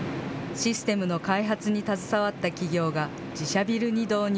システムの開発に携わった企業が自社ビルに導入。